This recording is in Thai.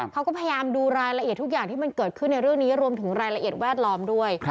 เขาก็พยายามดูรายละเอียดทุกอย่างที่มันเกิดขึ้นในเรื่องนี้รวมถึงรายละเอียดแวดล้อมด้วย